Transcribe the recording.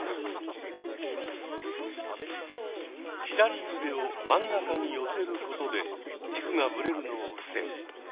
左腕を真ん中に寄せることで軸がぶれるのを防ぐ。